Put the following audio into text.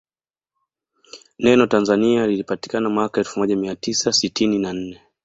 Neno Tanzania lilpatikana mwaka elfu moja mia tisa sitini na nne